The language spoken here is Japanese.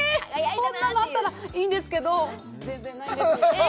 そんなのあったらいいんですけど全然ないんですえ！